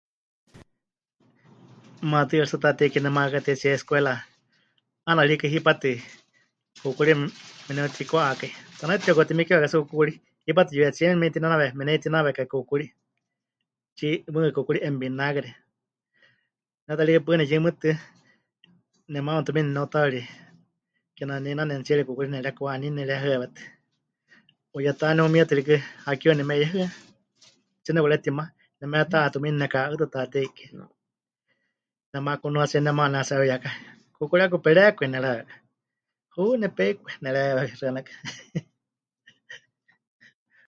"Maatɨari tsɨ Taatei Kie nemayekatei escuela, 'aana rikɨ hipátɨ kuukuri meneutíkwa'akai, tanaitɨ tepɨka'utimikiwakai tsɨ kuukuri, hipátɨ yuhetsíe meneitinawe... meneitinawekai kuukuri, mɨɨkɨ kuukuri ""en vinagre"". Ne ta rikɨ paɨ neyɨmɨtɨ nemaama tumiini neneutáwawiri, kename neheinaneni tsiere kuukuri nerekwaní nerehɨawétɨ. Huyetá ne'umietɨ rikɨ, hakeewa nemeiyehɨa, 'aatsí nepɨkaretima. Nemetá'a tumiini neka'ɨtɨ Taatei Kie. Nemakunuatsie nemaama pɨnetsiha'íwawiyakai -Kuukuri 'aku perékwai-, pɨnerahɨawékai. -Hu, nepeikwai- nerehɨawékai xɨanakɨa."